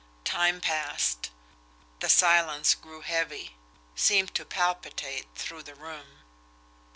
Time passed. The silence grew heavy seemed to palpitate through the room.